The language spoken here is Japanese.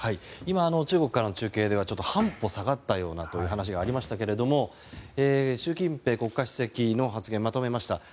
今、中国からの中継では半歩下がったようなという話がありましたが習近平国家主席の発言をまとめました。